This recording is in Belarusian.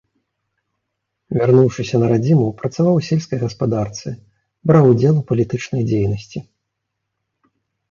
Вярнуўшыся на радзіму, працаваў у сельскай гаспадарцы, браў удзел у палітычнай дзейнасці.